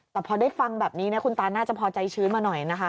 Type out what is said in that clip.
แต่พอได้ฟังแบบนี้คุณตาน่าจะพอใจชื้นมาหน่อยนะคะ